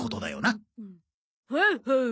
ほうほう。